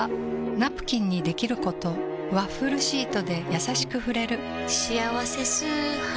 ナプキンにできることワッフルシートでやさしく触れる「しあわせ素肌」